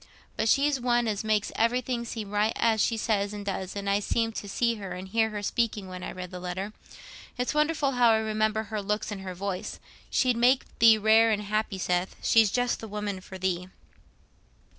But she's one as makes everything seem right she says and does, and I seemed to see her and hear her speaking when I read the letter. It's wonderful how I remember her looks and her voice. She'd make thee rare and happy, Seth; she's just the woman for thee."